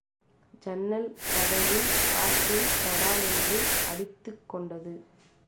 ஜன்னல் கதவு காற்றில் தடாலென்று அடித்துக்கொண்டது.